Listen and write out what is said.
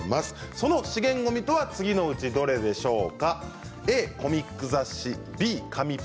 その資源ごみとは次のうちどれでしょうか？